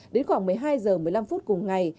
đến khoảng một mươi hai h một mươi năm phút cùng ngày